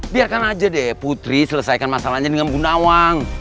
biarkan aja deh putri selesaikan masalahnya dengan bu nawang